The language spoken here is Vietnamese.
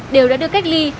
đều đã được cách ly